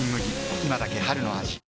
今だけ春の味